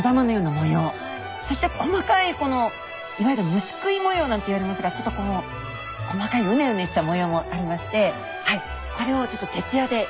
そして細かいこのいわゆる虫食い模様なんていわれますがちょっとこう細かいうねうねした模様もありましてはいこれを徹夜で描きました。